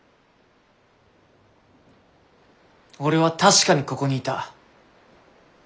俺は確かにここにいた。